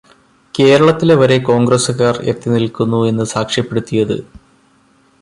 കേരളത്തിലെ വരെ കോണ്ഗ്രസുകാര് എത്തി നില്ക്കുന്നു എന്നു സാക്ഷ്യപ്പെടുത്തിയത്